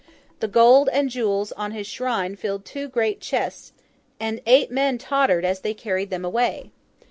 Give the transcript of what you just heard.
The gold and jewels on his shrine filled two great chests, and eight men tottered as they carried them away.